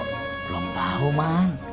belum tahu man